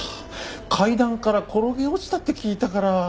階段から転げ落ちたって聞いたから。